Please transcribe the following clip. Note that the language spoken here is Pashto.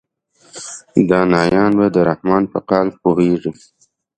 دانایان به د رحمان په قال پوهیږي.